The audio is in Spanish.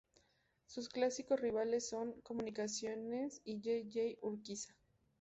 Sus clásicos rivales son Comunicaciones y J. J. Urquiza.